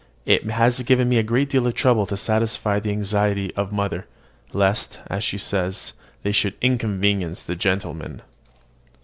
It has given me a deal of trouble to satisfy the anxiety of the mother, lest (as she says) "they should inconvenience the gentleman."